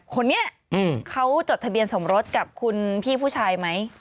คนนี้เขาจดทะเบียนสมรสกับคุณพี่ผู้ชายไหม